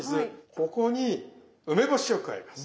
ここに梅干しを加えます。